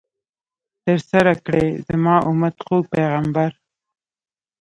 ترسره کړئ، زما امت ، خوږ پیغمبر